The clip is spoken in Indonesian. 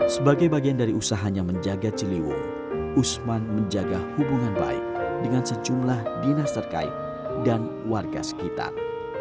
sebagai bagian dari usahanya menjaga ciliwung usman menjaga hubungan baik dengan sejumlah dinas terkait dan warga sekitar